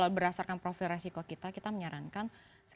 itu meminkirkan mobil yang ini bisa terinvasi